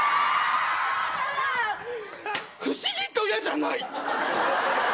不思議と嫌じゃない！